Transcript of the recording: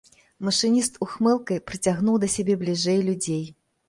Машыніст ухмылкай прыцягнуў да сябе бліжэй людзей.